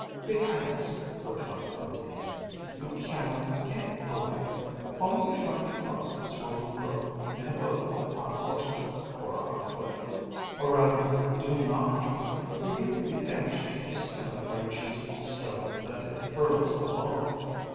"Because," replied Undine, "you cannot get away. Only try to cross the swollen brook, in a boat, on horseback, or on foot. Or rather, do not try, for you would be dashed to pieces by the branches and stones that it hurls along.